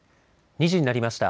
２時になりました。